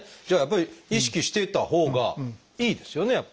じゃあやっぱり意識していたほうがいいですよね